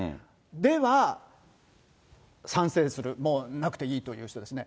では、賛成する、もうなくていいという人ですね。